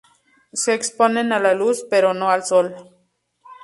Se exponen a la luz, pero no al sol.